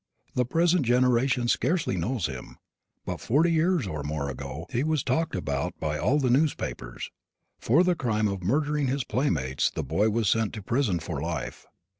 The present generation scarcely knows him. But forty years or more ago he was talked about by all the newspapers. For the crime of murdering his playmates the boy was sent to prison for life.